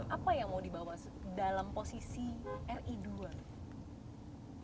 apa yang mau dibawa dalam posisi ri dua